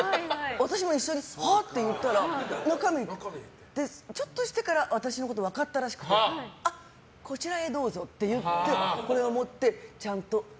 私も一緒に、はあ？って言ったらちょっとしてから私のこと分かったらしくてあ、こちらへどうぞって言ってこれを持って、ちゃんと。